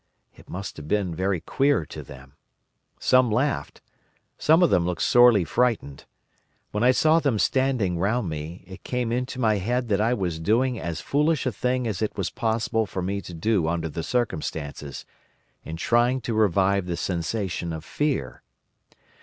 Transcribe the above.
It must have been very queer to them. Some laughed, most of them looked sorely frightened. When I saw them standing round me, it came into my head that I was doing as foolish a thing as it was possible for me to do under the circumstances, in trying to revive the sensation of fear.